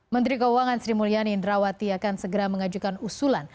menteri keuangan sri mulyani indrawati akan segera mengajukan usulan